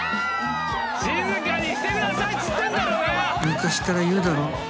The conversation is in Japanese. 昔から言うだろ。